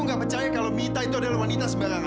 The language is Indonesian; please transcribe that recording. gimana aku boleh binatang